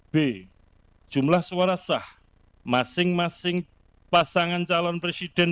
b jumlah suara sah masing masing pasangan calon presiden